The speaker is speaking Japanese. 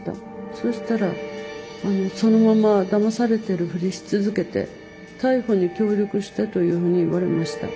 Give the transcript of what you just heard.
そしたら「そのままだまされてるフリし続けて逮捕に協力して」というふうに言われました。